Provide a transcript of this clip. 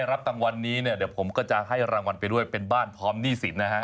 รับรางวัลนี้เนี่ยเดี๋ยวผมก็จะให้รางวัลไปด้วยเป็นบ้านพร้อมหนี้สินนะฮะ